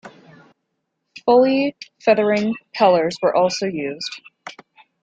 Fully feathering propellers were also used.